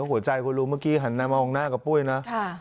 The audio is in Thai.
หัวใจคุณลุงเมื่อกี้หันมามองหน้ากับปุ้ยนะ